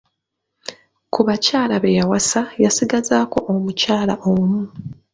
Ku bakyala be yawasa, yasigazaako omukyala omu.